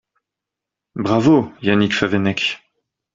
Bravo, Yannick Favennec